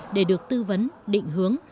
để được tư vấn định hướng